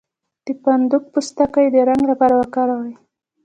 د فندق پوستکی د رنګ لپاره وکاروئ